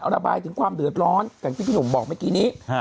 ระบายถึงความเดือดร้อนอย่างที่พี่หนุ่มบอกเมื่อกี้นี้